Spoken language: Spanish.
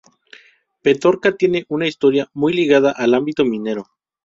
Petorca tiene una historia muy ligada al ámbito minero.